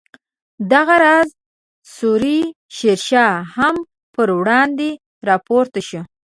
دغه راز سوري شیر شاه هم پر وړاندې راپورته شو.